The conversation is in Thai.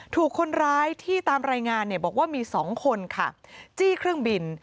ถูกคนร้ายที่ตามรายงานบอกว่ามี๒คนค่ะจี้เครื่องบิน